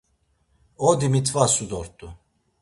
Odi mit̆vatsu dort̆u.